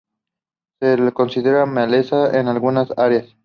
Se le considera maleza en algunas áreas.